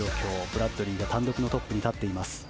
ブラッドリーが単独のトップに立っています。